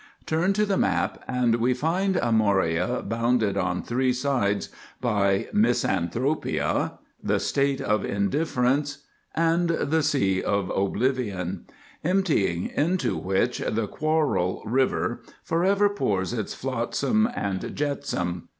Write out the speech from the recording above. Turn to the map and we find Amoria bounded on three sides by Misanthropia, the State of Indifference, and the Sea of Oblivion, emptying into which the Quarrel River forever pours its flotsam and jetsam.